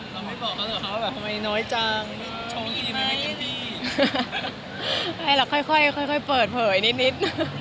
ค่ะเราค่อยเปิดเผยนิด